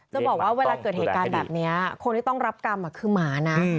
จะบอกว่าเวลาเกิดเหตุการณ์แบบนี้คนที่ต้องรับกรรมคือหมานะ